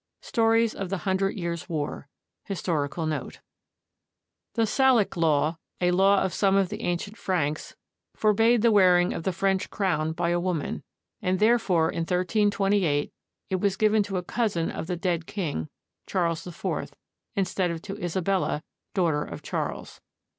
II STORIES OF THE HUNDRED YEARS' WAR HISTORICAL NOTE The Salic Law, a law of some of the ancient Franks, forbade the wearing of the French crown by a woman; and therefore in 1328 it was given to a cousin of the dead king, Charles IV, instead of to Isabella, daughter of Charles.